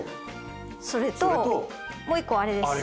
それともう一個あれです。